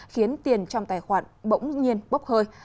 khiến tiền trong tài khoản bỗng nhiên bốc hơi